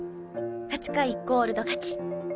８回コールド勝ち。